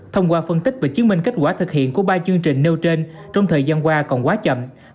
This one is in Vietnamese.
thông qua phân tích và chứng minh kết quả thực hiện của ba chương trình nêu trên trong thời gian qua còn quá chậm